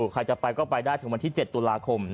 ใครจะไปก็ไปได้ถึงวันที่๗ตุลาคม